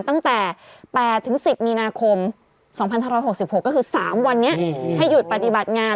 ตั้งแต่๘๑๐มีนาคม๒๕๖๖ก็คือ๓วันนี้ให้หยุดปฏิบัติงาน